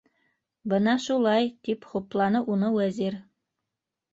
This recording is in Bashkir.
- Бына шулай, - тип хупланы уны Вәзир.